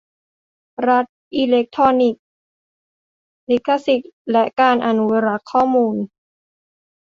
รัฐอิเล็กทรอนิกส์ : ลิขสิทธิ์และการอนุรักษ์ข้อมูล